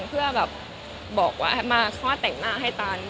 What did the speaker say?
เพื่อแบบบอกว่ามาคลอดแต่งหน้าให้ตัน